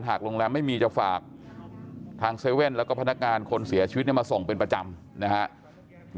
โรงแรมไม่มีจะฝากทาง๗๑๑แล้วก็พนักงานคนเสียชีวิตมาส่งเป็นประจำนะครับ